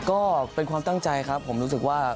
ก็เป็นความตั้งใจครับผมรู้สึกว่า